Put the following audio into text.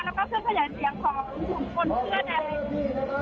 แล้วก็เพื่อขยายเสียงของคนชั่วแดง